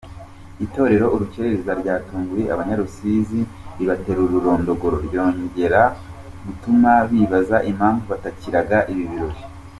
Itorero Urukerereza ryatunguye abanyarusizi ribatera ururondogoro, ryongera gutuma bibaza impamvu batakiraga ibi birori.